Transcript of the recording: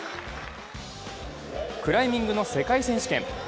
クライミングの世界選手権。